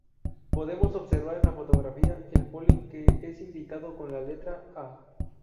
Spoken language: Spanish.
Podemos observar en la fotografía el polen que es indicado con la letra a.